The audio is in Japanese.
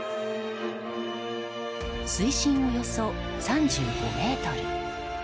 水深およそ３５ｍ。